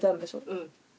うん。